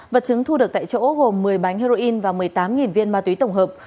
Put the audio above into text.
vật chứng thu được tại chỗ gồm một mươi bánh heroin và một mươi tám viên ma túy tổng hợp